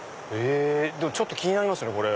ちょっと気になりますねこれ。